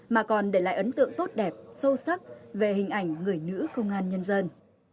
mà còn để lại ấn tượng tốt đẹp sâu sắc về hình ảnh người nữ công an nhân dân